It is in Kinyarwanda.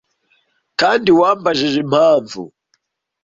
kandi wambajije impamvu